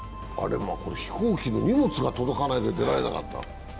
飛行機の荷物が届かないで出られなかった。